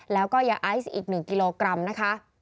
แล้วก็ยาไอซ์อีก๑กิโลกรัมนะคะ